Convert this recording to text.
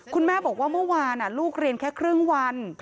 คุณแม่บอกว่าเมื่อวานลูกเรียนแค่ครึ่งวัน